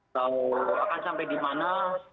tahu akan sampai di mana